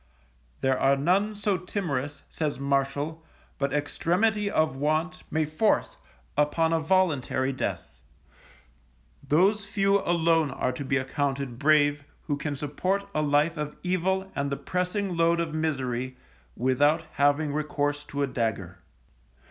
There are none so timorous, says Martial, but extremity of want may force upon a voluntary death; those few alone are to be accounted brave who can support a life of evil and the pressing load of misery, without having recount to a dagger.